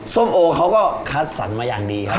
ส้มโอเขาก็คัดสรรมาอย่างดีครับ